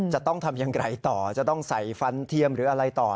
จะต้องทำอย่างไรต่อจะต้องใส่ฟันเทียมหรืออะไรต่อ